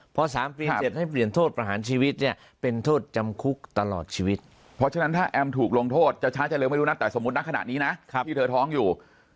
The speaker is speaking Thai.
พอ๓ปี๗ให้เปลี่ยนโทษประหารชีวิตเนี่ยเป็นโทษจำคุกตลอดชีวิตเพราะฉะนั้นถ้าแอมถูกลงโทษจะช้าจะเร็วไม่รู้นะแต่สมมุตินะขณะนี้นะที่เธอท้องอยู่